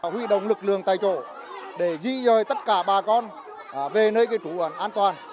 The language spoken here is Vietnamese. huy động lực lượng tại chỗ để di rời tất cả bà con về nơi chủ an toàn